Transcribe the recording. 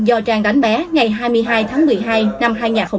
do trang đánh bé ngày hai mươi hai tháng một mươi hai năm hai nghìn hai mươi ba